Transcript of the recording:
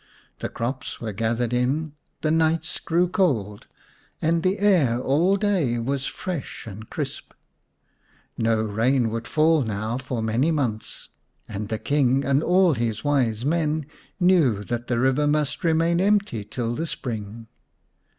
The crops were gathered in ; the nights grew cold, and the air all day was fresh and crisp. No rain would fall now for many months, and the King and all his wise men 82 The Serpent's Bride knew that the river must remain empty till the spring.